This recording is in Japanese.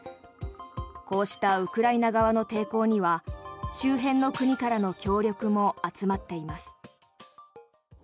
こうしたウクライナ側の抵抗には周辺の国からの協力も集まっています。